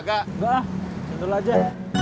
enggak betul aja